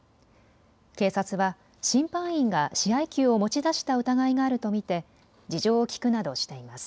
警察は審判員が試合球を持ち出した疑いがあると見て事情を聞くなどしています。